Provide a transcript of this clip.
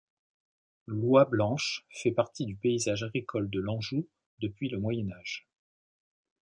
L’oie blanche fait partie du paysage agricole de l’Anjou depuis le Moyen Age.